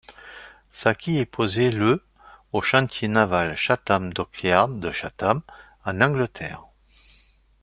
Sa quille est posée le au chantier naval Chatham Dockyard de Chatham, en Angleterre.